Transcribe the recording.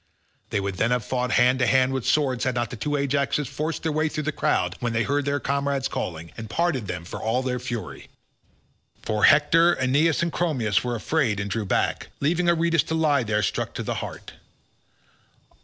They would then have fought hand to hand with swords had not the two Ajaxes forced their way through the crowd when they heard their comrade calling, and parted them for all their fury—for Hector, Aeneas, and Chromius were afraid and drew back, leaving Aretus to lie there struck to the heart.